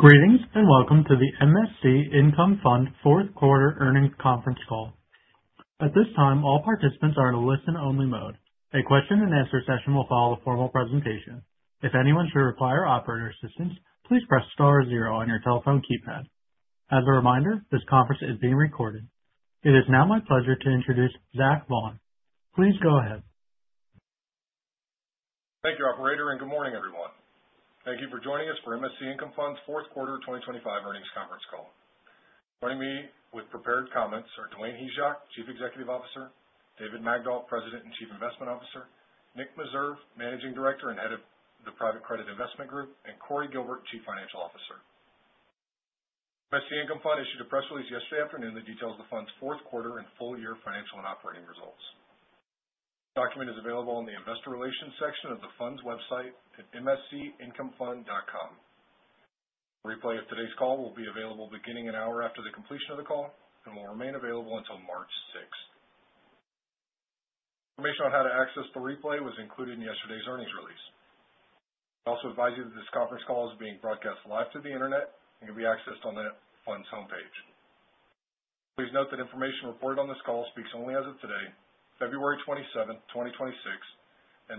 Greetings and welcome to the MSC Income Fund fourth quarter earnings conference call. At this time, all participants are in a listen-only mode. A question and answer session will follow the formal presentation. If anyone should require operator assistance, please press star zero on your telephone keypad. As a reminder, this conference is being recorded. It is now my pleasure to introduce Zach Vaughan. Please go ahead. Thank you, operator. Good morning, everyone. Thank you for joining us for MSC Income Fund's fourth quarter 2025 earnings conference call. Joining me with prepared comments are Dwayne Hyzak, Chief Executive Officer, David Magdol, President and Chief Investment Officer, Nick Meserve, Managing Director and Head of the Private Credit Investment Group, and Cory Gilbert, Chief Financial Officer. MSC Income Fund issued a press release yesterday afternoon that details the fund's fourth quarter and full year financial and operating results. The document is available in the investor relations section of the fund's website at mscincomefund.com. A replay of today's call will be available beginning an hour after the completion of the call and will remain available until March sixth. Information on how to access the replay was included in yesterday's earnings release. I also advise that this conference call is being broadcast live to the Internet and can be accessed on the fund's homepage. Please note that information reported on this call speaks only as of today, February 27th, 2026.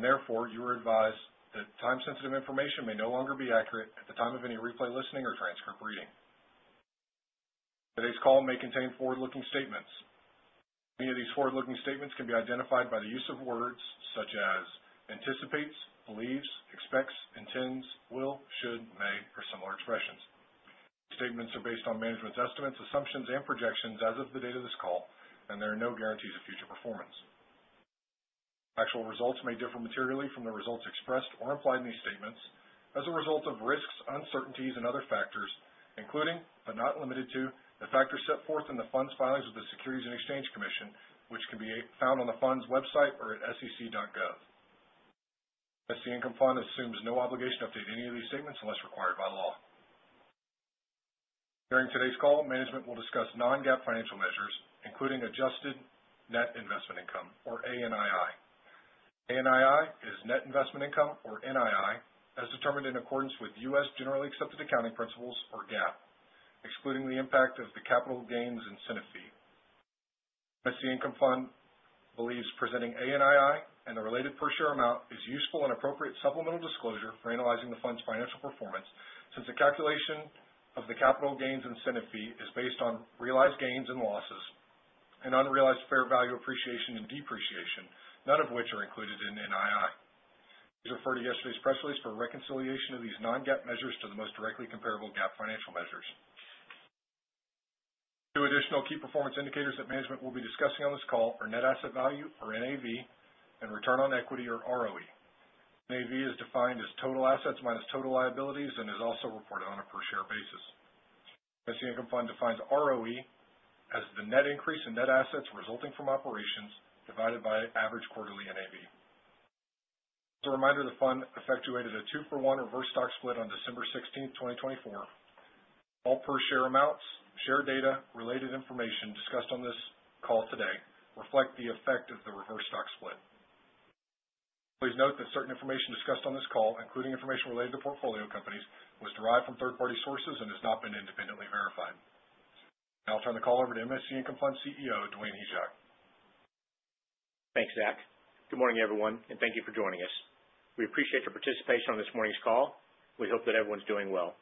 Therefore, you are advised that time-sensitive information may no longer be accurate at the time of any replay listening or transcript reading. Today's call may contain forward-looking statements. Many of these forward-looking statements can be identified by the use of words such as anticipates, believes, expects, intends, will, should, may, or similar expressions. Statements are based on management's estimates, assumptions, and projections as of the date of this call. There are no guarantees of future performance. Actual results may differ materially from the results expressed or implied in these statements as a result of risks, uncertainties, and other factors, including, but not limited to, the factors set forth in the fund's filings with the Securities and Exchange Commission, which can be found on the fund's website or at sec.gov. MSC Income Fund assumes no obligation to update any of these statements unless required by law. During today's call, management will discuss non-GAAP financial measures, including adjusted net investment income, or ANII. ANII is net investment income, or NII, as determined in accordance with U.S. generally accepted accounting principles, or GAAP, excluding the impact of the capital gains incentive fee. MSC Income Fund believes presenting ANII and the related per share amount is useful and appropriate supplemental disclosure for analyzing the fund's financial performance, since the calculation of the capital gains incentive fee is based on realized gains and losses and unrealized fair value appreciation and depreciation, none of which are included in NII. Please refer to yesterday's press release for a reconciliation of these non-GAAP measures to the most directly comparable GAAP financial measures. Two additional key performance indicators that management will be discussing on this call are net asset value, or NAV, and return on equity, or ROE. NAV is defined as total assets minus total liabilities and is also reported on a per share basis. MSC Income Fund defines ROE as the net increase in net assets resulting from operations divided by average quarterly NAV. As a reminder, the fund effectuated a two-for-one reverse stock split on December 16th, 2024. All per share amounts, share data, related information discussed on this call today reflect the effect of the reverse stock split. Please note that certain information discussed on this call, including information related to portfolio companies, was derived from third-party sources and has not been independently verified. I'll turn the call over to MSC Income Fund CEO, Dwayne Hyzak. Thanks, Zach. Good morning, everyone, and thank you for joining us. We appreciate your participation on this morning's call. We hope that everyone's doing well.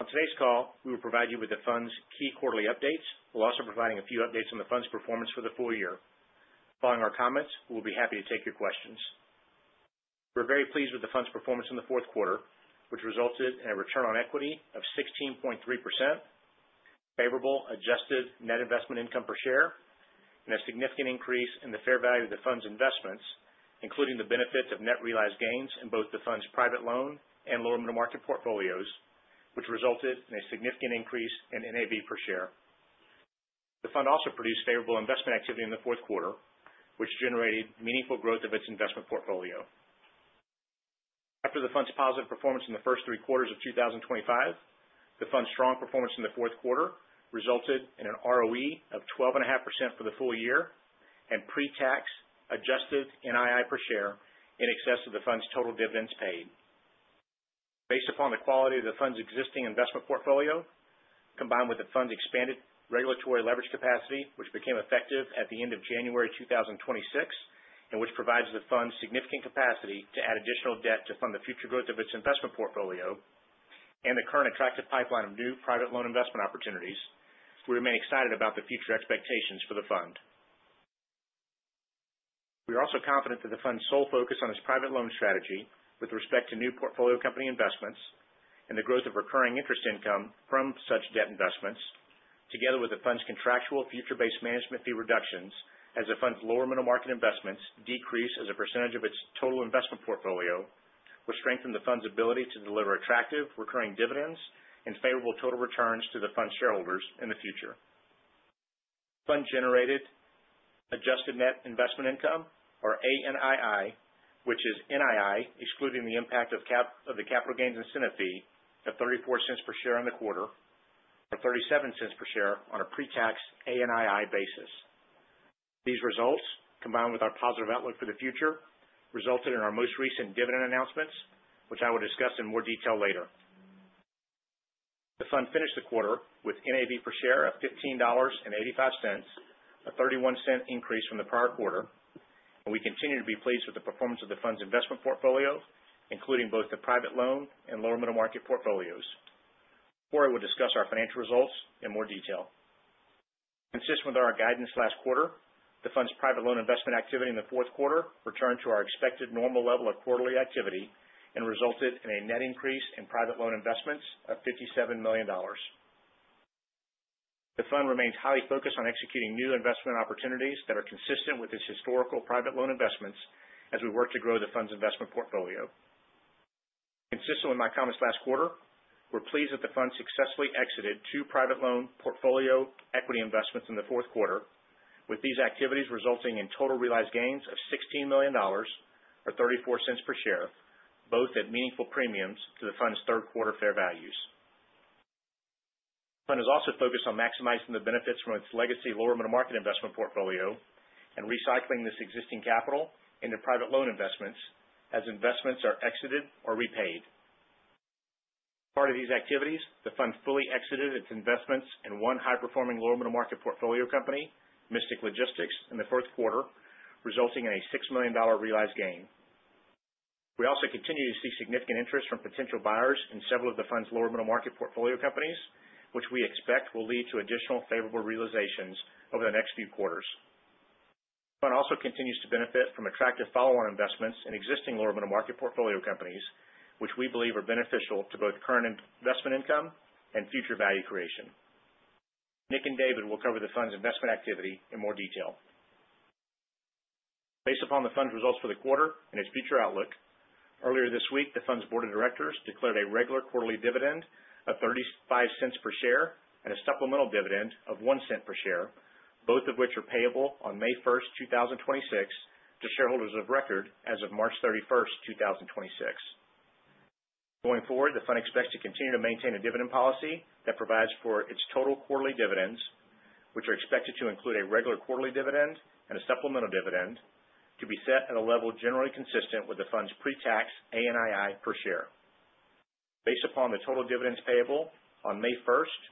On today's call, we will provide you with the fund's key quarterly updates. We'll also be providing a few updates on the fund's performance for the full year. Following our comments, we'll be happy to take your questions. We're very pleased with the fund's performance in the fourth quarter, which resulted in a return on equity of 16.3%, favorable adjusted net investment income per share, and a significant increase in the fair value of the fund's investments, including the benefits of net realized gains in both the fund's private loan and lower middle market portfolios, which resulted in a significant increase in NAV per share. The fund also produced favorable investment activity in the fourth quarter, which generated meaningful growth of its investment portfolio. After the fund's positive performance in the first three quarters of 2025, the fund's strong performance in the fourth quarter resulted in an ROE of 12.5% for the full year and pre-tax adjusted NII per share in excess of the fund's total dividends paid. Based upon the quality of the fund's existing investment portfolio, combined with the fund's expanded regulatory leverage capacity, which became effective at the end of January 2026, and which provides the fund significant capacity to add additional debt to fund the future growth of its investment portfolio, and the current attractive pipeline of new private loan investment opportunities, we remain excited about the future expectations for the fund. We are also confident that the fund's sole focus on its private loan strategy with respect to new portfolio company investments and the growth of recurring interest income from such debt investments, together with the fund's contractual future-based management fee reductions as the fund's lower middle market investments decrease as a percentage of its total investment portfolio, will strengthen the fund's ability to deliver attractive recurring dividends and favorable total returns to the fund's shareholders in the future. The fund generated adjusted net investment income or ANII, which is NII, excluding the impact of the capital gains incentive fee of $0.34 per share in the quarter, or $0.37 per share on a pre-tax ANII basis. These results, combined with our positive outlook for the future, resulted in our most recent dividend announcements, which I will discuss in more detail later. The fund finished the quarter with NAV per share of $15.85, a $0.31 increase from the prior quarter. We continue to be pleased with the performance of the fund's investment portfolio, including both the private loan and lower middle market portfolios. Before I will discuss our financial results in more detail. Consistent with our guidance last quarter, the fund's private loan investment activity in the fourth quarter returned to our expected normal level of quarterly activity and resulted in a net increase in private loan investments of $57 million. The fund remains highly focused on executing new investment opportunities that are consistent with its historical private loan investments as we work to grow the fund's investment portfolio. Consistent with my comments last quarter, we're pleased that the fund successfully exited two private loan portfolio equity investments in the fourth quarter, with these activities resulting in total realized gains of $16 million, or $0.34 per share, both at meaningful premiums to the fund's third quarter fair values. The fund is also focused on maximizing the benefits from its legacy lower middle market investment portfolio and recycling this existing capital into private loan investments as investments are exited or repaid. As part of these activities, the fund fully exited its investments in one high-performing lower middle market portfolio company, Mystic Logistics, in the fourth quarter, resulting in a $6 million realized gain. We also continue to see significant interest from potential buyers in several of the fund's lower middle market portfolio companies, which we expect will lead to additional favorable realizations over the next few quarters. The fund also continues to benefit from attractive follow-on investments in existing lower middle market portfolio companies, which we believe are beneficial to both current investment income and future value creation. Nick and David will cover the fund's investment activity in more detail. Based upon the fund's results for the quarter and its future outlook, earlier this week, the fund's board of directors declared a regular quarterly dividend of $0.35 per share and a supplemental dividend of $0.01 per share, both of which are payable on May 1st, 2026, to shareholders of record as of March 31st, 2026. Going forward, the fund expects to continue to maintain a dividend policy that provides for its total quarterly dividends, which are expected to include a regular quarterly dividend and a supplemental dividend to be set at a level generally consistent with the fund's pre-tax ANII per share. Based upon the total dividends payable on May 1st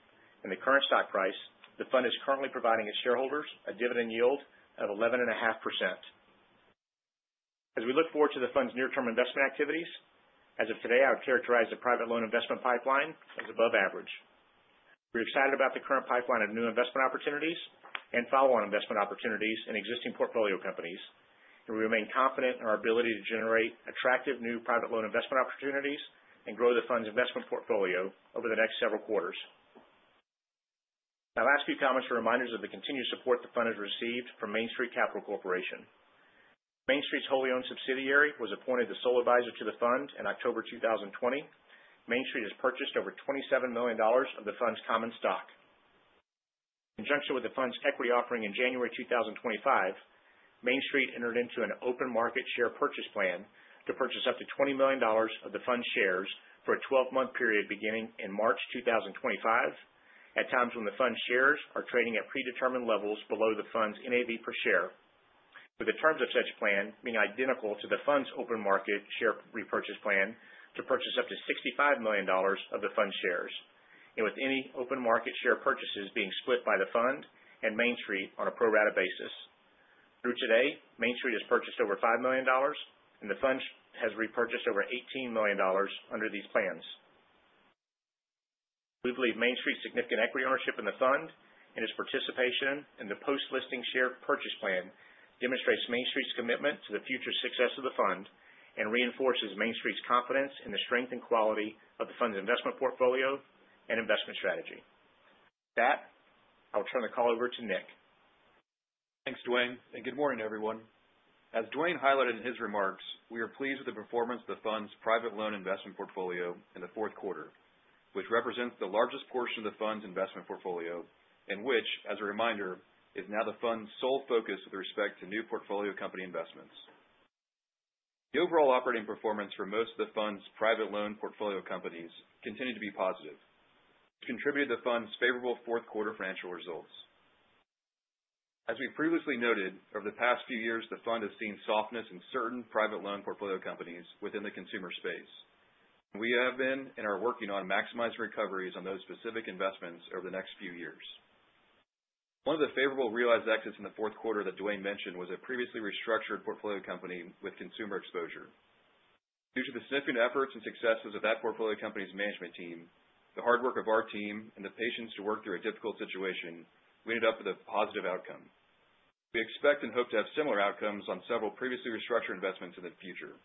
and the current stock price, the fund is currently providing its shareholders a dividend yield of 11.5%. As we look forward to the fund's near-term investment activities, as of today, I would characterize the private loan investment pipeline as above average. We're excited about the current pipeline of new investment opportunities and follow-on investment opportunities in existing portfolio companies, and we remain confident in our ability to generate attractive new private loan investment opportunities and grow the fund's investment portfolio over the next several quarters. My last few comments are reminders of the continued support the fund has received from Main Street Capital Corporation. Main Street's wholly owned subsidiary was appointed the sole advisor to the fund in October 2020. Main Street has purchased over $27 million of the fund's common stock. In conjunction with the fund's equity offering in January 2025, Main Street entered into an open market share purchase plan to purchase up to $20 million of the fund shares for a 12-month period beginning in March 2025, at times when the fund shares are trading at predetermined levels below the fund's NAV per share, with the terms of such plan being identical to the fund's open market share repurchase plan to purchase up to $65 million of the fund shares, with any open market share purchases being split by the fund and Main Street on a pro rata basis. Through today, Main Street has purchased over $5 million and the fund has repurchased over $18 million under these plans. We believe Main Street's significant equity ownership in the fund and its participation in the post-listing share purchase plan demonstrates Main Street's commitment to the future success of the fund and reinforces Main Street's confidence in the strength and quality of the fund's investment portfolio and investment strategy. With that, I'll turn the call over to Nick. Thanks, Dwayne, good morning, everyone. As Dwayne highlighted in his remarks, we are pleased with the performance of the fund's private loan investment portfolio in the fourth quarter, which represents the largest portion of the fund's investment portfolio and which, as a reminder, is now the fund's sole focus with respect to new portfolio company investments. The overall operating performance for most of the fund's private loan portfolio companies continue to be positive. Contributed to the fund's favorable fourth quarter financial results. As we previously noted, over the past few years, the fund has seen softness in certain private loan portfolio companies within the consumer space. We have been and are working on maximizing recoveries on those specific investments over the next few years. One of the favorable realized exits in the fourth quarter that Dwayne mentioned was a previously restructured portfolio company with consumer exposure. Due to the significant efforts and successes of that portfolio company's management team, the hard work of our team, and the patience to work through a difficult situation, we ended up with a positive outcome. We expect and hope to have similar outcomes on several previously restructured investments in the future.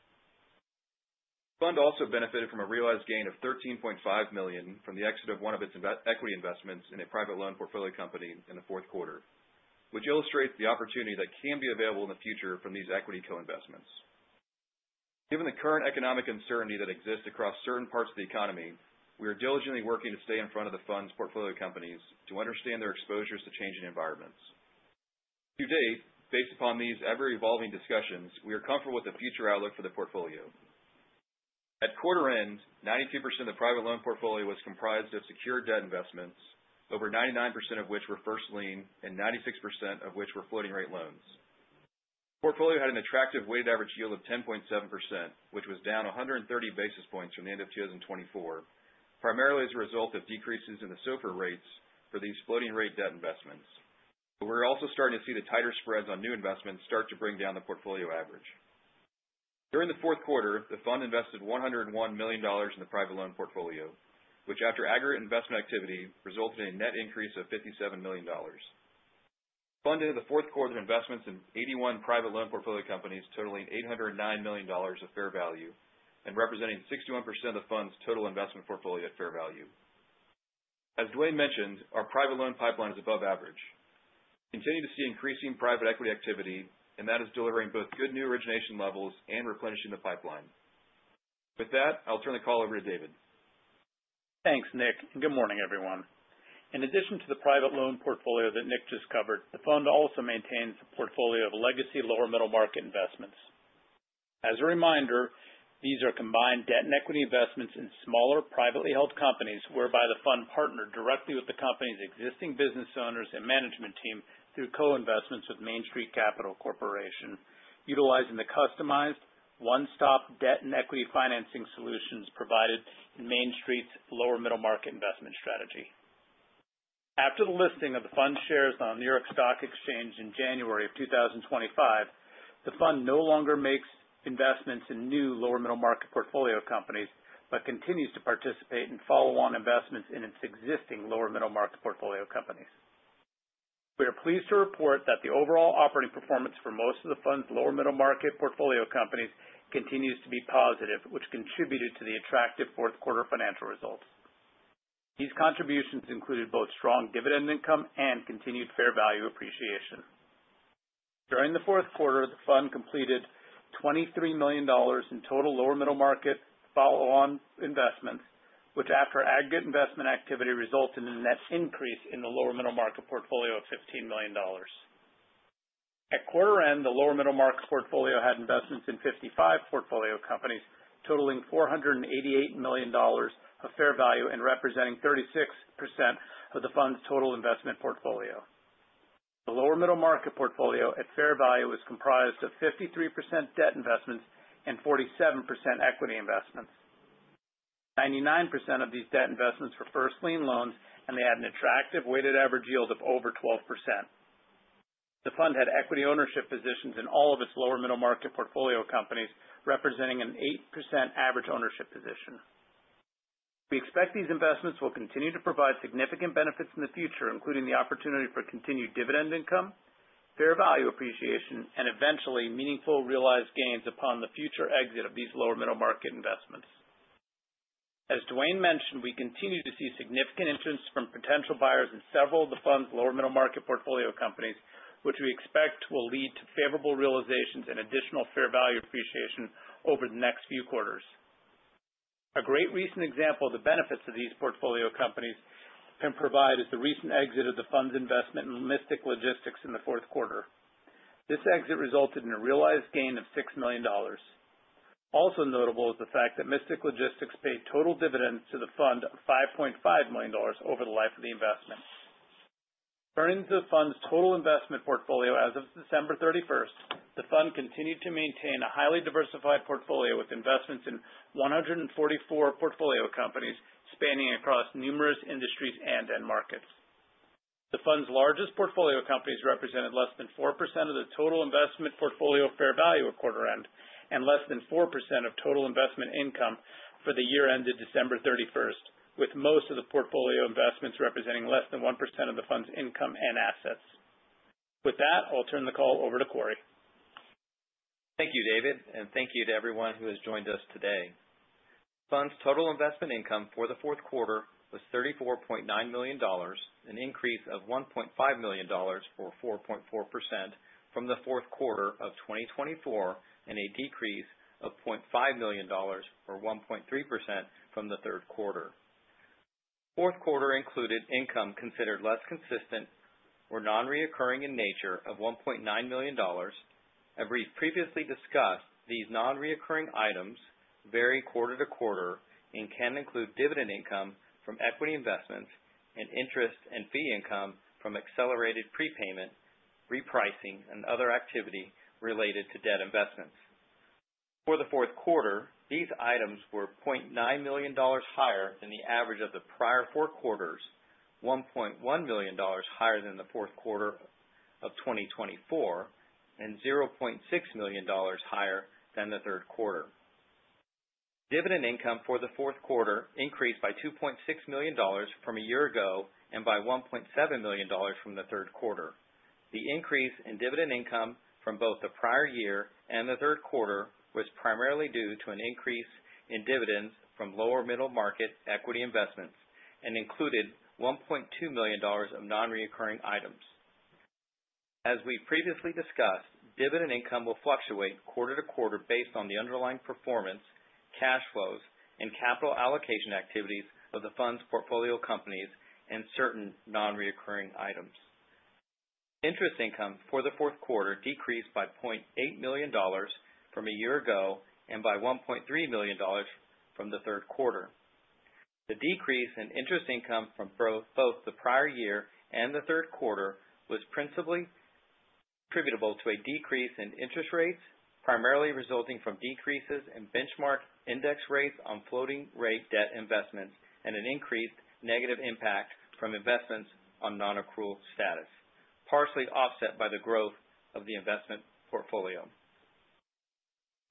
The fund also benefited from a realized gain of $13.5 million from the exit of one of its equity investments in a private loan portfolio company in the fourth quarter, which illustrates the opportunity that can be available in the future from these equity co-investments. Given the current economic uncertainty that exists across certain parts of the economy, we are diligently working to stay in front of the fund's portfolio companies to understand their exposures to changing environments. To date, based upon these ever-evolving discussions, we are comfortable with the future outlook for the portfolio. At quarter end, 92% of the private loan portfolio was comprised of secured debt investments, over 99% of which were first lien and 96% of which were floating rate loans. The portfolio had an attractive weighted average yield of 10.7%, which was down 130 basis points from the end of 2024, primarily as a result of decreases in the SOFR rates for these floating rate debt investments. We're also starting to see the tighter spreads on new investments start to bring down the portfolio average. During the fourth quarter, the fund invested $101 million in the private loan portfolio, which after aggregate investment activity, resulted in a net increase of $57 million. Funded in the fourth quarter investments in 81 private loan portfolio companies totaling $809 million of fair value and representing 61% of the fund's total investment portfolio at fair value. As Dwayne mentioned, our private loan pipeline is above average. We continue to see increasing private equity activity, that is delivering both good new origination levels and replenishing the pipeline. With that, I'll turn the call over to David. Thanks, Nick. Good morning, everyone. In addition to the private loan portfolio that Nick just covered, the fund also maintains a portfolio of legacy lower middle market investments. As a reminder, these are combined debt and equity investments in smaller, privately held companies, whereby the fund partnered directly with the company's existing business owners and management team through co-investments with Main Street Capital Corporation, utilizing the customized one-stop debt and equity financing solutions provided in Main Street's lower middle market investment strategy. After the listing of the fund shares on New York Stock Exchange in January of 2025, the fund no longer makes investments in new lower middle market portfolio companies but continues to participate in follow-on investments in its existing lower middle market portfolio companies. We are pleased to report that the overall operating performance for most of the Fund's lower middle market portfolio companies continues to be positive, which contributed to the attractive fourth quarter financial results. These contributions included both strong dividend income and continued fair value appreciation. During the fourth quarter, the Fund completed $23 million in total lower middle market follow-on investments, which after aggregate investment activity, resulted in a net increase in the lower middle market portfolio of $15 million. At quarter end, the lower middle market portfolio had investments in 55 portfolio companies totaling $488 million of fair value and representing 36% of the Fund's total investment portfolio. The lower middle market portfolio at fair value is comprised of 53% debt investments and 47% equity investments. 99% of these debt investments were first lien loans, and they had an attractive weighted average yield of over 12%. The Fund had equity ownership positions in all of its lower middle market portfolio companies, representing an 8% average ownership position. We expect these investments will continue to provide significant benefits in the future, including the opportunity for continued dividend income, fair value appreciation, and eventually meaningful realized gains upon the future exit of these lower middle market investments. As Dwayne mentioned, we continue to see significant interest from potential buyers in several of the Fund's lower middle market portfolio companies, which we expect will lead to favorable realizations and additional fair value appreciation over the next few quarters. A great recent example of the benefits that these portfolio companies can provide is the recent exit of the Fund's investment in Mystic Logistics in the fourth quarter. This exit resulted in a realized gain of $6 million. Also notable is the fact that Mystic Logistics paid total dividends to the Fund of $5.5 million over the life of the investment. Turning to the Fund's total investment portfolio as of December 31st, the Fund continued to maintain a highly diversified portfolio with investments in 144 portfolio companies spanning across numerous industries and end markets. The Fund's largest portfolio companies represented less than 4% of the total investment portfolio fair value at quarter end, and less than 4% of total investment income for the year ended December 31st, with most of the portfolio investments representing less than 1% of the Fund's income and assets. With that, I'll turn the call over to Cory. Thank you, David, and thank you to everyone who has joined us today. Fund's total investment income for the fourth quarter was $34.9 million, an increase of $1.5 million, or 4.4%, from the fourth quarter of 2024, and a decrease of $0.5 million, or 1.3%, from the third quarter. Fourth quarter included income considered less consistent or non-recurring in nature of $1.9 million. As we've previously discussed, these non-recurring items vary quarter to quarter and can include dividend income from equity investments, and interest and fee income from accelerated prepayment, repricing, and other activity related to debt investments. For the fourth quarter, these items were $0.9 million higher than the average of the prior four quarters, $1.1 million higher than the fourth quarter of 2024, and $0.6 million higher than the third quarter. Dividend income for the fourth quarter increased by $2.6 million from a year ago and by $1.7 million from the third quarter. The increase in dividend income from both the prior year and the third quarter was primarily due to an increase in dividends from lower middle market equity investments and included $1.2 million of non-recurring items. As we've previously discussed, dividend income will fluctuate quarter to quarter based on the underlying performance, cash flows, and capital allocation activities of the Fund's portfolio companies and certain non-recurring items. Interest income for the fourth quarter decreased by $0.8 million from a year ago and by $1.3 million from the third quarter. The decrease in interest income from both the prior year and the third quarter was principally attributable to a decrease in interest rates, primarily resulting from decreases in benchmark index rates on floating rate debt investments and an increased negative impact from investments on non-accrual status, partially offset by the growth of the investment portfolio.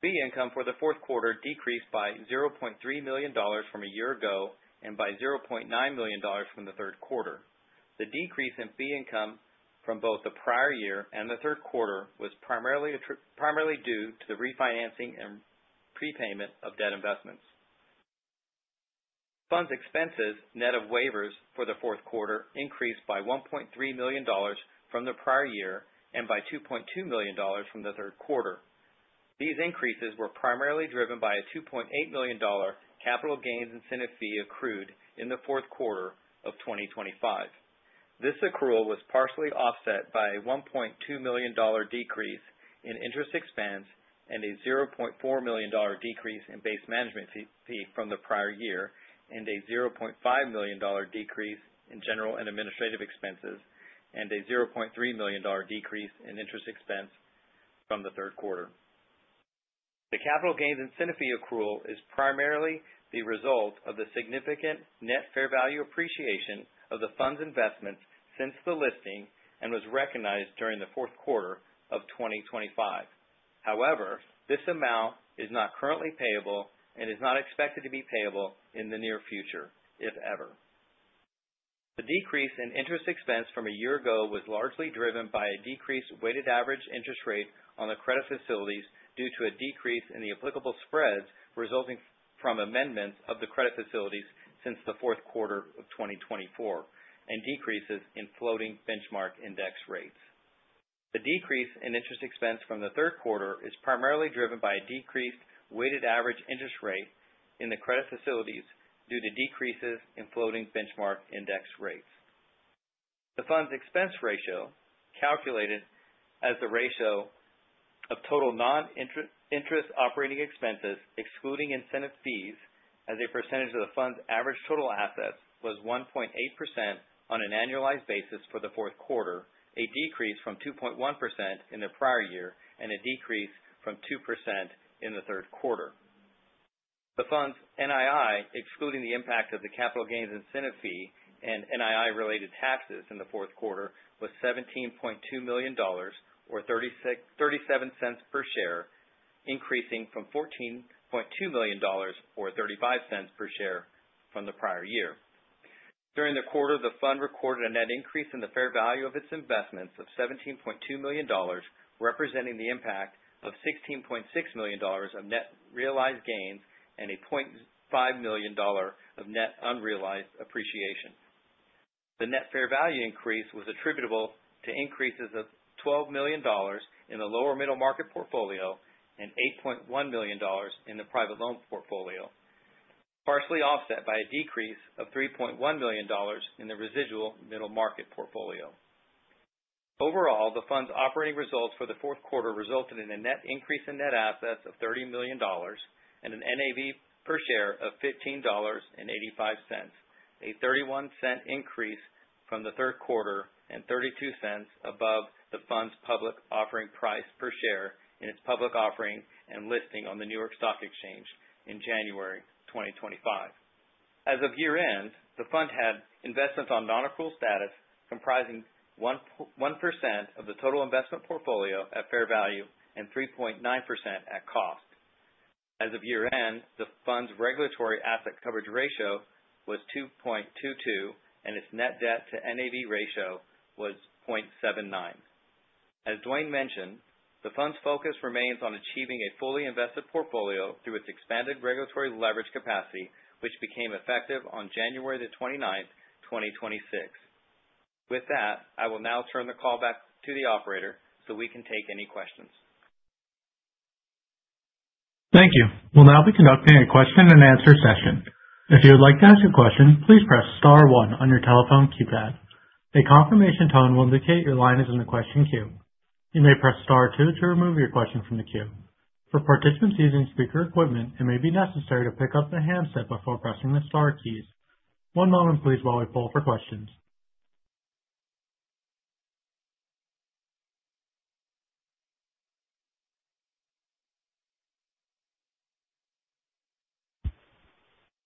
Fee income for the fourth quarter decreased by $0.3 million from a year ago and by $0.9 million from the third quarter. The decrease in fee income from both the prior year and the third quarter was primarily due to the refinancing and prepayment of debt investments. Fund's expenses, net of waivers for the fourth quarter, increased by $1.3 million from the prior year and by $2.2 million from the third quarter. These increases were primarily driven by a $2.8 million capital gains incentive fee accrued in the fourth quarter of 2025. This accrual was partially offset by a $1.2 million decrease in interest expense and a $0.4 million decrease in base management fee from the prior year, and a $0.5 million decrease in general and administrative expenses, and a $0.3 million decrease in interest expense from the third quarter. The capital gains incentive fee accrual is primarily the result of the significant net fair value appreciation of the Fund's investments since the listing, and was recognized during the fourth quarter of 2025. However, this amount is not currently payable and is not expected to be payable in the near future, if ever. The decrease in interest expense from a year ago was largely driven by a decreased weighted average interest rate on the credit facilities due to a decrease in the applicable spreads, resulting from amendments of the credit facilities since the fourth quarter of 2024, and decreases in floating benchmark index rates. The decrease in interest expense from the third quarter is primarily driven by a decreased weighted average interest rate in the credit facilities due to decreases in floating benchmark index rates. The Fund's expense ratio, calculated as the ratio of total non-interest operating expenses, excluding incentive fees as a percentage of the Fund's average total assets, was 1.8% on an annualized basis for the fourth quarter, a decrease from 2.1% in the prior year and a decrease from 2% in the third quarter. The fund's NII, excluding the impact of the capital gains incentive fee and NII-related taxes in the fourth quarter, was $17.2 million, or $0.37 per share, increasing from $14.2 million, or $0.35 per share from the prior year. During the quarter, the fund recorded a net increase in the fair value of its investments of $17.2 million, representing the impact of $16.6 million of net realized gains and a $0.5 million of net unrealized appreciation. The net fair value increase was attributable to increases of $12 million in the lower middle market portfolio and $8.1 million in the private loan portfolio, partially offset by a decrease of $3.1 million in the residual middle market portfolio. Overall, the fund's operating results for the fourth quarter resulted in a net increase in net assets of $30 million and an NAV per share of $15.85, a $0.31 increase from the third quarter and $0.32 above the fund's public offering price per share in its public offering and listing on the New York Stock Exchange in January 2025. As of year-end, the fund had investments on non-accrual status comprising 1% of the total investment portfolio at fair value and 3.9% at cost. As of year-end, the fund's regulatory asset coverage ratio was 2.22, and its net debt to NAV ratio was 0.79. As Dwayne mentioned, the fund's focus remains on achieving a fully invested portfolio through its expanded regulatory leverage capacity, which became effective on January the 29th, 2026. With that, I will now turn the call back to the operator so we can take any questions. Thank you. We'll now be conducting a question and answer session. If you would like to ask a question, please press star one on your telephone keypad. A confirmation tone will indicate your line is in the question queue. You may press star two to remove your question from the queue. For participants using speaker equipment, it may be necessary to pick up the handset before pressing the star keys. One moment please while we pull for questions.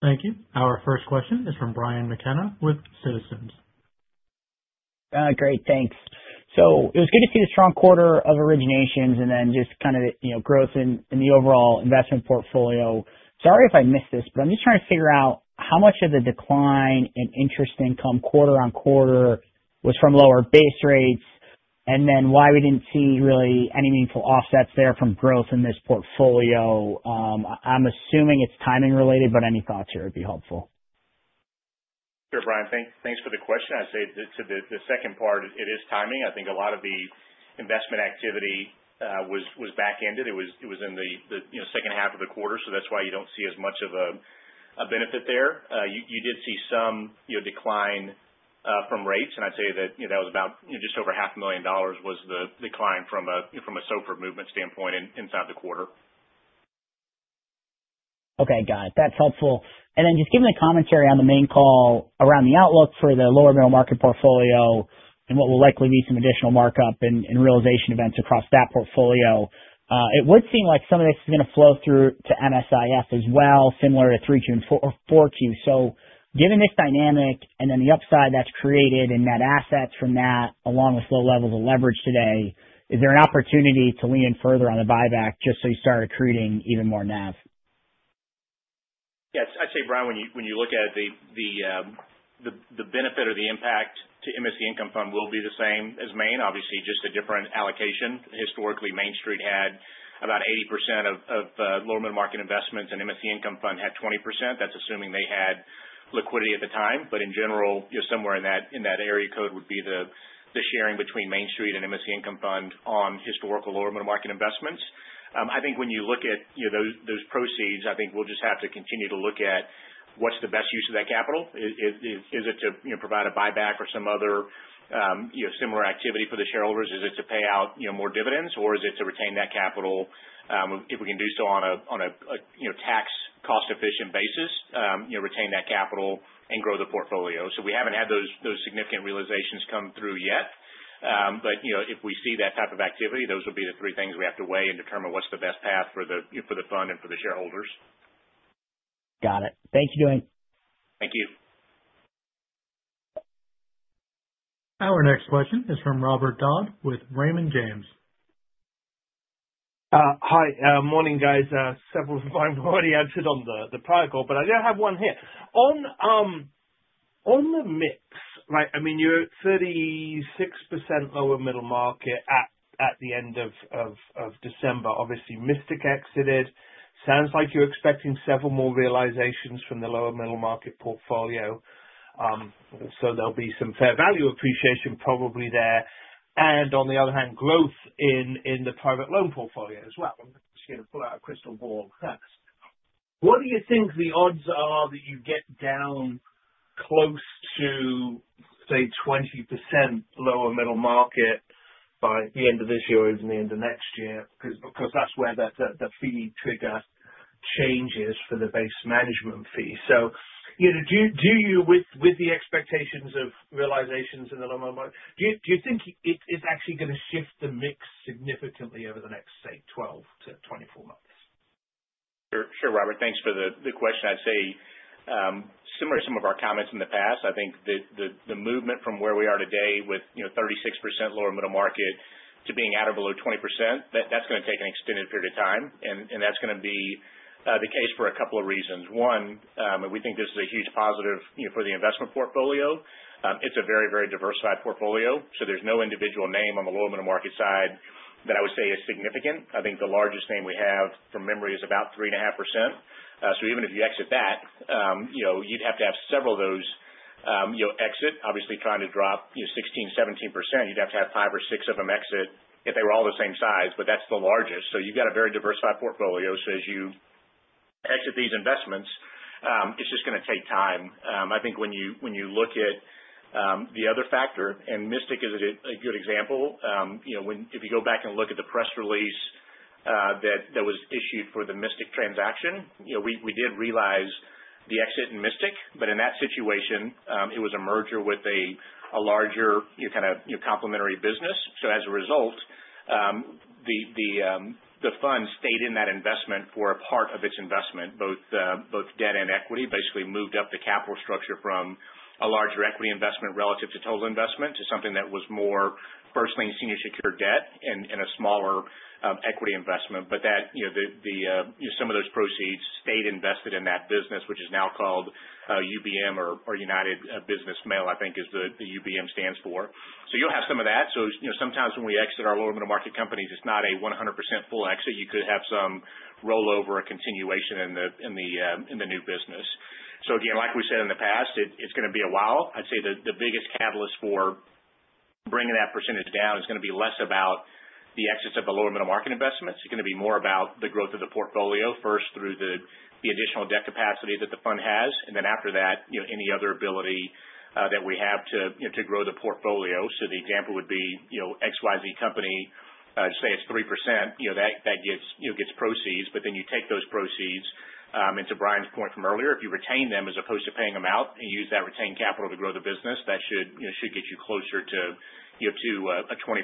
Thank you. Our first question is from Brian McKenna with Citizens. Great, thanks. It was good to see the strong quarter of originations and then just growth in the overall investment portfolio. Sorry if I missed this, but I am just trying to figure out how much of the decline in interest income quarter-on-quarter was from lower base rates, and then why we did not see really any meaningful offsets there from growth in this portfolio. I am assuming it is timing related, but any thoughts here would be helpful. Sure, Brian. Thanks for the question. I would say to the second part, it is timing. I think a lot of the Investment activity was back-ended. It was in the second half of the quarter, so that is why you do not see as much of a benefit there. You did see some decline from rates, and I would say that was about just over half a million dollars was the decline from a SOFR movement standpoint inside the quarter. Okay. Got it. That is helpful. Just given the commentary on the main call around the outlook for the lower middle market portfolio and what will likely be some additional markup and realization events across that portfolio, it would seem like some of this is going to flow through to MSIF as well, similar to 3Q and 4Q. Given this dynamic and then the upside that is created in net assets from that, along with low levels of leverage today, is there an opportunity to lean in further on the buyback just so you start accreting even more NAV? Yes. I'd say, Brian, when you look at it, the benefit or the impact to MSC Income Fund will be the same as Main, obviously, just a different allocation. Historically, Main Street had about 80% of lower middle market investments, and MSC Income Fund had 20%. That's assuming they had liquidity at the time. In general, somewhere in that area code would be the sharing between Main Street and MSC Income Fund on historical lower middle market investments. I think when you look at those proceeds, I think we'll just have to continue to look at what's the best use of that capital. Is it to provide a buyback or some other similar activity for the shareholders? Is it to pay out more dividends, or is it to retain that capital if we can do so on a tax cost-efficient basis, retain that capital and grow the portfolio? We haven't had those significant realizations come through yet. If we see that type of activity, those will be the three things we have to weigh and determine what's the best path for the fund and for the shareholders. Got it. Thank you, Dwayne. Thank you. Our next question is from Robert Dodd with Raymond James. Hi. Morning, guys. Several of mine were already answered on the prior call, but I have one here. On the mix, you're at 36% lower middle market at the end of December. Obviously, Mystic exited. Sounds like you're expecting several more realizations from the lower middle market portfolio. There'll be some fair value appreciation probably there. On the other hand, growth in the private loan portfolio as well. I'm just going to pull out a crystal ball first. What do you think the odds are that you get down close to, say, 20% lower middle market by the end of this year or even the end of next year? Because that's where the fee trigger changes for the base management fee. Do you, with the expectations of realizations in the lower middle market, do you think it is actually going to shift the mix significantly over the next, say, 12 to 24 months? Sure, Robert. Thanks for the question. I'd say similar to some of our comments in the past, I think the movement from where we are today with 36% lower middle market to being at or below 20%, that's going to take an extended period of time, and that's going to be the case for a couple of reasons. One, we think this is a huge positive for the investment portfolio. It's a very diversified portfolio, so there's no individual name on the lower middle market side that I would say is significant. I think the largest name we have from memory is about 3.5%. Even if you exit that, you'd have to have several of those exit. Obviously, trying to drop 16%, 17%, you'd have to have five or six of them exit if they were all the same size. That's the largest. You've got a very diversified portfolio. As you exit these investments, it's just going to take time. I think when you look at the other factor, Mystic Logistics is a good example. If you go back and look at the press release that was issued for the Mystic Logistics transaction, we did realize the exit in Mystic Logistics. In that situation, it was a merger with a larger complimentary business. As a result, the fund stayed in that investment for a part of its investment, both debt and equity. Basically moved up the capital structure from a larger equity investment relative to total investment to something that was more first lien senior secured debt and a smaller equity investment. Some of those proceeds stayed invested in that business, which is now called UBM or United Business Mail, I think is what UBM stands for. You'll have some of that. Sometimes when we exit our lower middle market companies, it's not a 100% full exit. You could have some rollover or continuation in the new business. Again, like we said in the past, it's going to be a while. I'd say the biggest catalyst for bringing that percentage down is going to be less about the exits of the lower middle market investments. It's going to be more about the growth of the portfolio, first through the additional debt capacity that the fund has, and then after that, any other ability that we have to grow the portfolio. The example would be XYZ company, say it's 3%, that gets proceeds. You take those proceeds, and to Brian McKenna's point from earlier, if you retain them as opposed to paying them out and use that retained capital to grow the business, that should get you closer to a 20%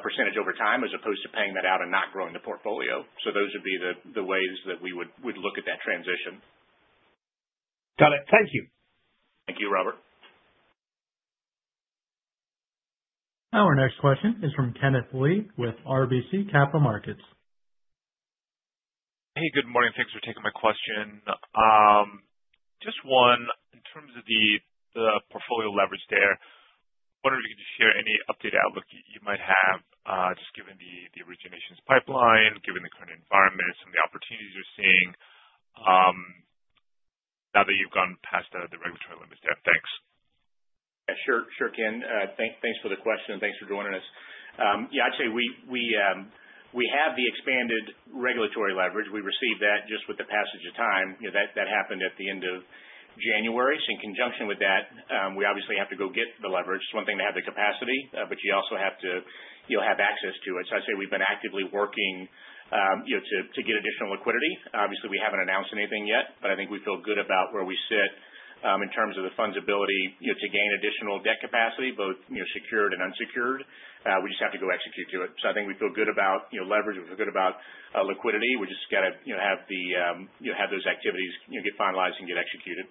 percentage over time, as opposed to paying that out and not growing the portfolio. Those would be the ways that we would look at that transition. Got it. Thank you. Thank you, Robert. Our next question is from Kenneth Lee with RBC Capital Markets. Hey, good morning. Thanks for taking my question. Just one. In terms of the portfolio leverage there, I wonder if you could just share any updated outlook that you might have, just given the originations pipeline, given the current environment and some of the opportunities you're seeing. Now that you've gone past the regulatory limits. Yeah, thanks. Yeah, sure, Ken. Thanks for the question and thanks for joining us. Yeah, I'd say we have the expanded regulatory leverage. We received that just with the passage of time. That happened at the end of January. In conjunction with that, we obviously have to go get the leverage. It's one thing to have the capacity, but you also have to have access to it. I'd say we've been actively working to get additional liquidity. Obviously, we haven't announced anything yet, but I think we feel good about where we sit in terms of the fund's ability to gain additional debt capacity, both secured and unsecured. We just have to go execute to it. I think we feel good about leverage. We feel good about liquidity. We just got to have those activities get finalized and get executed.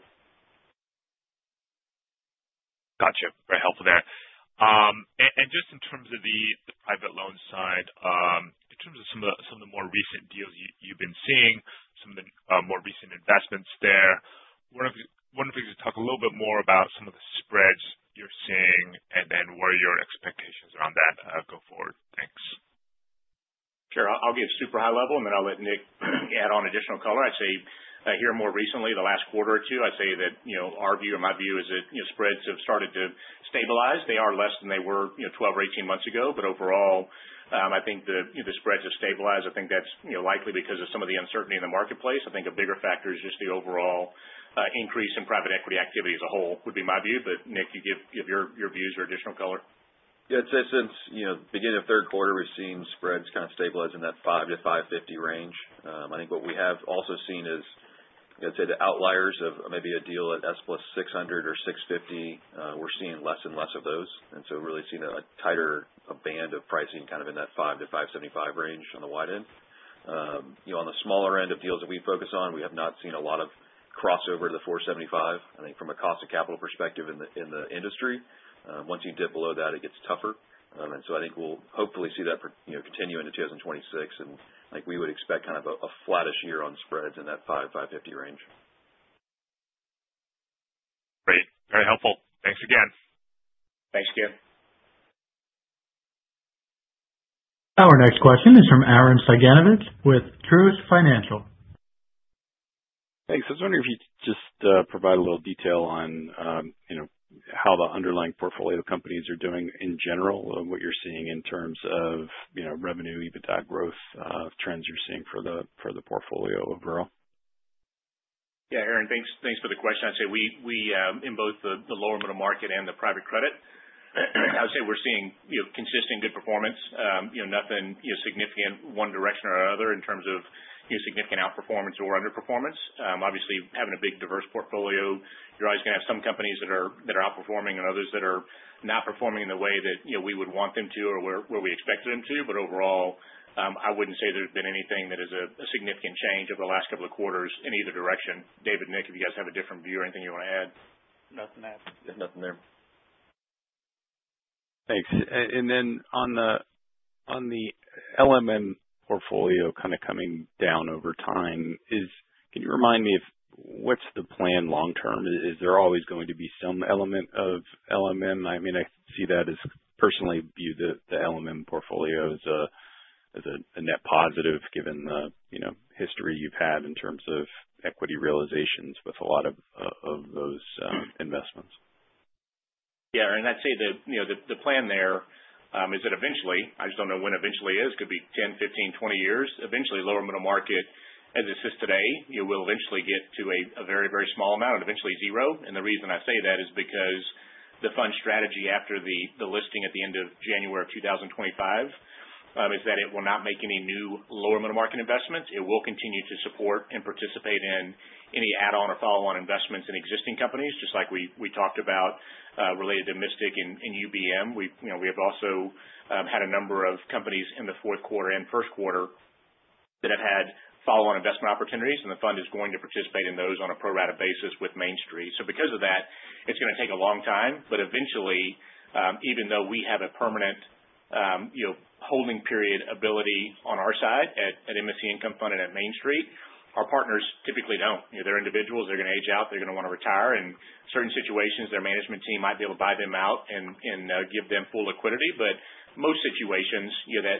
Got you. Very helpful there. Just in terms of the private loan side, in terms of some of the more recent deals you've been seeing, some of the more recent investments there. Wonderful if you could talk a little bit more about some of the spreads you're seeing and then where your expectations are on that go forward. Thanks. Sure. I'll give super high level and then I'll let Nick add on additional color. I'd say here more recently, the last quarter or two, I'd say that our view or my view is that spreads have started to stabilize. They are less than they were 12 or 18 months ago. Overall, I think the spreads have stabilized. I think that's likely because of some of the uncertainty in the marketplace. I think a bigger factor is just the overall increase in private equity activity as a whole, would be my view. Nick, you give your views or additional color. Yeah. I'd say since beginning of third quarter, we've seen spreads kind of stabilizing that five to 550 range. I think what we have also seen is, I'd say the outliers of maybe a deal at SOFR plus 600 or 650. We're seeing less and less of those. Really seeing a tighter band of pricing kind of in that five to 575 range on the wide end. On the smaller end of deals that we focus on, we have not seen a lot of crossover to the 475. I think from a cost of capital perspective in the industry. Once you dip below that, it gets tougher. I think we'll hopefully see that continue into 2026. I think we would expect kind of a flattish year on spreads in that five, 550 range. Great. Very helpful. Thanks again. Thanks, Ken. Our next question is from Aaron Sagenowitz with Truist Financial. Thanks. I was wondering if you could just provide a little detail on how the underlying portfolio companies are doing in general and what you're seeing in terms of revenue, EBITDA growth, trends you're seeing for the portfolio overall. Yeah, Aaron, thanks for the question. I'd say in both the lower middle market and the private credit, I would say we're seeing consistent good performance. Nothing significant one direction or other in terms of significant outperformance or underperformance. Obviously, having a big, diverse portfolio, you're always going to have some companies that are outperforming and others that are not performing in the way that we would want them to or where we expected them to. Overall, I wouldn't say there's been anything that is a significant change over the last couple of quarters in either direction. David, Nick, if you guys have a different view or anything you want to add? Nothing to add. Nothing there. Thanks. Then on the LMM portfolio kind of coming down over time is, can you remind me if what's the plan long term? Is there always going to be some element of LMM? I mean, I see that as personally view the LMM portfolio as a net positive given the history you've had in terms of equity realizations with a lot of those investments. Yeah. I'd say the plan there is that eventually, I just don't know when eventually is. Could be 10, 15, 20 years. Eventually lower middle market as it sits today, will eventually get to a very small amount and eventually zero. The reason I say that is because the fund strategy after the listing at the end of January of 2025, is that it will not make any new lower middle market investments. It will continue to support and participate in any add-on or follow-on investments in existing companies, just like we talked about related to Mystic and UBM. We have also had a number of companies in the fourth quarter and first quarter that have had follow-on investment opportunities, and the fund is going to participate in those on a pro rata basis with Main Street. Because of that, it's going to take a long time. Eventually, even though we have a permanent holding period ability on our side at MSC Income Fund and at Main Street, our partners typically don't. They're individuals. They're going to age out. They're going to want to retire. In certain situations, their management team might be able to buy them out and give them full liquidity. Most situations,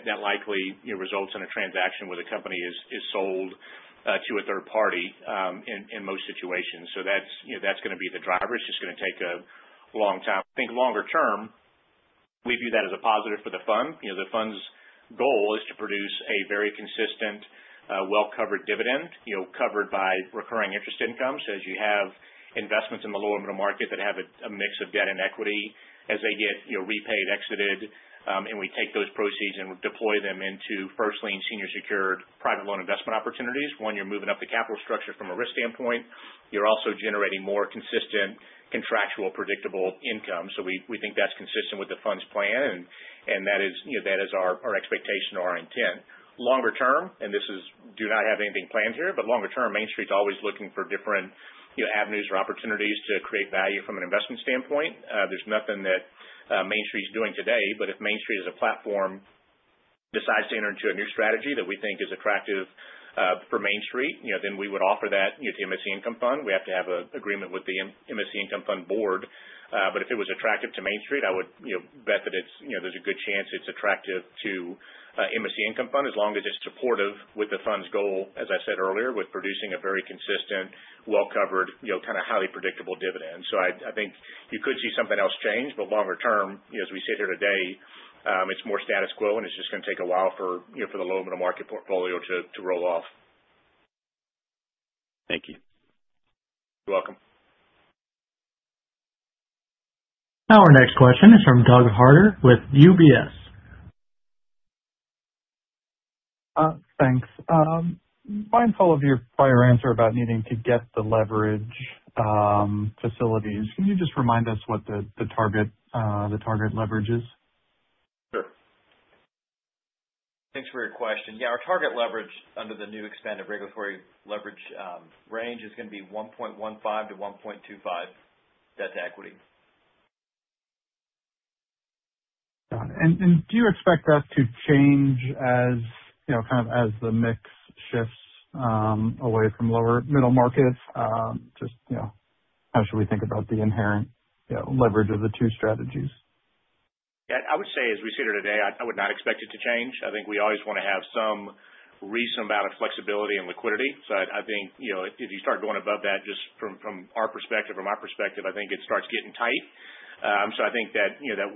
that likely results in a transaction where the company is sold to a third party, in most situations. That's going to be the driver. It's just going to take a long time. I think longer term, we view that as a positive for the fund. The fund's goal is to produce a very consistent, well-covered dividend, covered by recurring interest income. As you have investments in the lower middle market that have a mix of debt and equity as they get repaid, exited, we take those proceeds and deploy them into first lien senior secured private loan investment opportunities. One, you're moving up the capital structure from a risk standpoint. You're also generating more consistent contractual predictable income. We think that's consistent with the fund's plan and that is our expectation, our intent. Longer term, and this is do not have anything planned here, longer term, Main Street's always looking for different avenues or opportunities to create value from an investment standpoint. There's nothing that Main Street's doing today, if Main Street is a platform decides to enter into a new strategy that we think is attractive for Main Street, we would offer that to MSC Income Fund. We have to have an agreement with the MSC Income Fund board. If it was attractive to Main Street, I would bet that there's a good chance it's attractive to MSC Income Fund, as long as it's supportive with the fund's goal, as I said earlier, with producing a very consistent, well-covered, kind of highly predictable dividend. I think you could see something else change. Longer term, as we sit here today, it's more status quo, it's just going to take a while for the lower middle market portfolio to roll off. Thank you. You're welcome. Our next question is from Doug Harter with UBS. Thanks. Mindful of your prior answer about needing to get the leverage facilities, can you just remind us what the target leverage is? Sure. Thanks for your question. Yeah. Our target leverage under the new expanded regulatory leverage range is going to be 1.15-1.25 debt to equity. Got it. Do you expect that to change as the mix shifts away from lower middle market? Just how should we think about the inherent leverage of the two strategies? Yeah. I would say as we sit here today, I would not expect it to change. I think we always want to have some reasonable amount of flexibility and liquidity. I think if you start going above that, just from our perspective or my perspective, I think it starts getting tight. I think that 1.15-1.25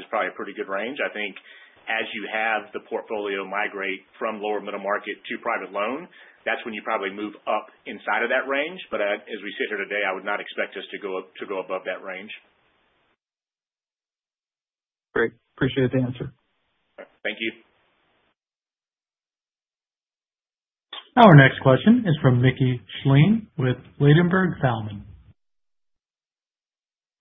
is probably a pretty good range. I think as you have the portfolio migrate from lower middle market to private loan, that's when you probably move up inside of that range. As we sit here today, I would not expect us to go above that range. Great. Appreciate the answer. Thank you. Our next question is from Mickey Schlein with Ladenburg Thalmann.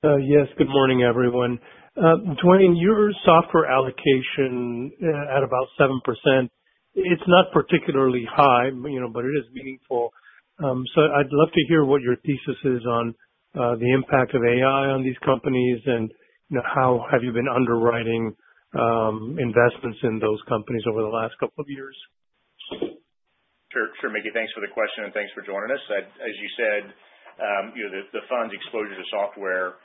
Yes. Good morning, everyone. Dwayne, your software allocation at about 7%, it's not particularly high, but it is meaningful. I'd love to hear what your thesis is on the impact of AI on these companies and how have you been underwriting investments in those companies over the last couple of years. Sure, Mickey. Thanks for the question, and thanks for joining us. As you said, the fund's exposure to software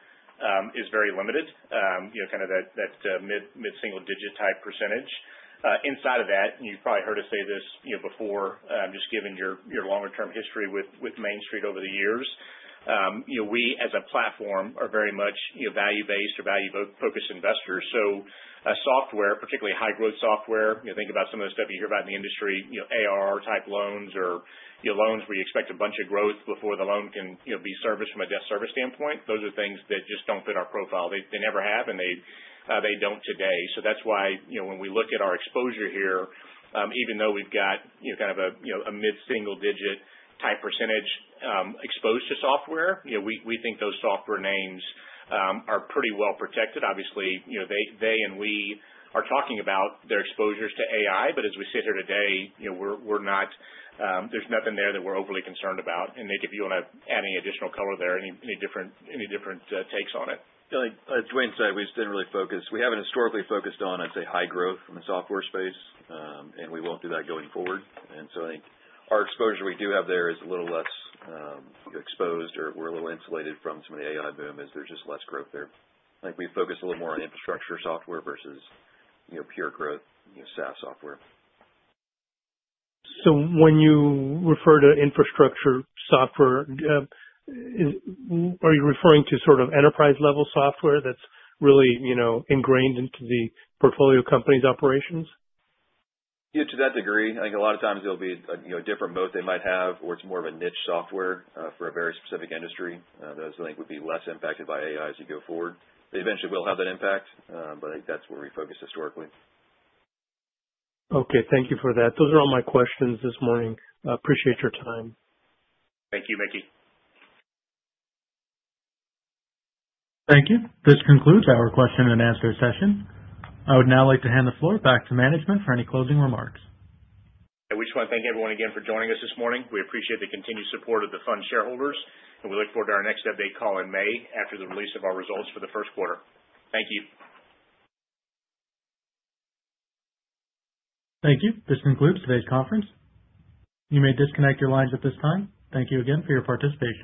is very limited. Kind of that mid-single digit type percentage. Inside of that, you've probably heard us say this before, just given your longer term history with Main Street over the years. We, as a platform, are very much value-based or value-focused investors. A software, particularly high growth software, you think about some of the stuff you hear about in the industry, ARR type loans or loans where you expect a bunch of growth before the loan can be serviced from a debt service standpoint. Those are things that just don't fit our profile. They never have, and they don't today. That's why when we look at our exposure here, even though we've got kind of a mid-single digit type percentage exposed to software, we think those software names are pretty well protected. Obviously, they and we are talking about their exposures to AI. As we sit here today, there's nothing there that we're overly concerned about. Mickey, if you want to add any additional color there, any different takes on it. As Dwayne said, we just didn't really focus. We haven't historically focused on, I'd say, high growth from a software space. We won't do that going forward. I think our exposure we do have there is a little less exposed or we're a little insulated from some of the AI boom, as there's just less growth there. I think we focus a little more on infrastructure software versus pure growth SaaS software. When you refer to infrastructure software, are you referring to sort of enterprise level software that's really ingrained into the portfolio company's operations? Yeah, to that degree. I think a lot of times it'll be a different moat they might have or it's more of a niche software for a very specific industry. Those, I think, would be less impacted by AI as you go forward. They eventually will have that impact, but I think that's where we focus historically. Okay. Thank you for that. Those are all my questions this morning. Appreciate your time. Thank you, Mickey. Thank you. This concludes our question and answer session. I would now like to hand the floor back to management for any closing remarks. We just want to thank everyone again for joining us this morning. We appreciate the continued support of the fund shareholders, and we look forward to our next update call in May after the release of our results for the first quarter. Thank you. Thank you. This concludes today's conference. You may disconnect your lines at this time. Thank you again for your participation.